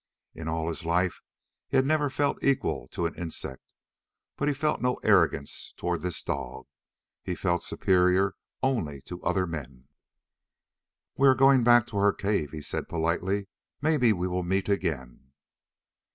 In all his life he had never felt equal to an insect, but he felt no arrogance toward this dog. He felt superior only to other men. "We are going back to our cave," he said politely. "Maybe we will meet again."